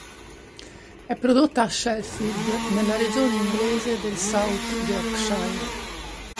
È prodotta a Sheffield nella regione inglese del South Yorkshire.